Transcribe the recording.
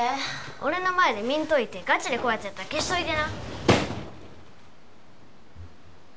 俺の前で見んといてガチで怖いやつやったら消しといてな